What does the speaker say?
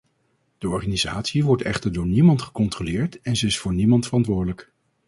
De organisatie wordt echter door niemand gecontroleerd en ze is voor niemand verantwoordelijk.